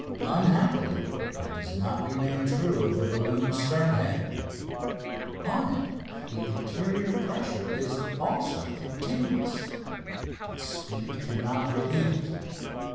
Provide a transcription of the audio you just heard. Unhappily, it does not remain true of the balloon's stern head. On it the interior pressure is also continuous, but speed cannot relieve it.